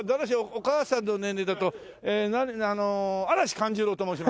お母さんの年齢だとえーあの嵐寛寿郎と申します。